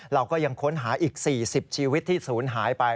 เราก็ยังค้นหาอีก๔๐ชีวิตที่ศูนย์หายไป